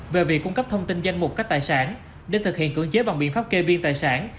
về việc cung cấp thông tin danh mục các tài sản để thực hiện cưỡng chế bằng biện pháp kê biên tài sản